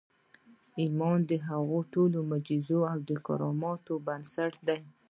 ايمان د هغو ټولو معجزو او کراماتو بنسټ دی.